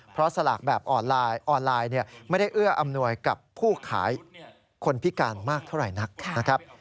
เพราะสลากแบบออนไลน์ออนไลน์ไม่ได้เอื้ออำนวยกับผู้ขายคนพิการมากเท่าไหร่นักนะครับ